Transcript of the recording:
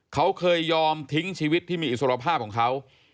เขาเคยยอมทิ้งชีวิตที่มีอิสรภาพของเขา